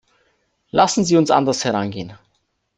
Lassen Sie uns anders herangehen.